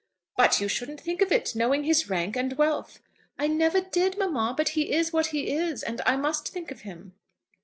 "But you shouldn't think of it, knowing his rank and wealth." "I never did, mamma; but he is what he is, and I must think of him."